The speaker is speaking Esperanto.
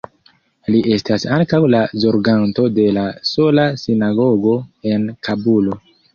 Li estas ankaŭ la zorganto de la sola sinagogo en Kabulo.